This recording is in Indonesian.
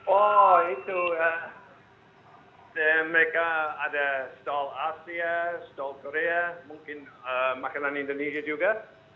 oh itu mereka ada stall asia stol korea mungkin makanan indonesia juga